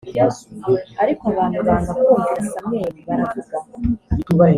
ariko abantu banga kumvira samweli baravuga